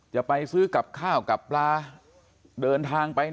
จะไปซื้อกับข้าวกับปลาเดินทางไป